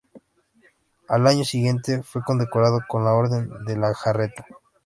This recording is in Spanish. Al año siguiente, fue condecorado con la Orden de la Jarretera.